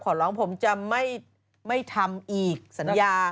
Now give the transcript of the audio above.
ขอร้องผมจะไม่ทำอีกสัญญา